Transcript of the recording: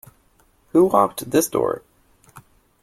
Who locked this door?